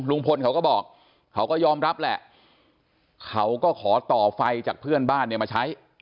ลุงพลเขาก็บอกเขาก็ยอมรับแหละเขาก็ขอต่อไฟจากเพื่อนบ้านเนี่ยมาใช้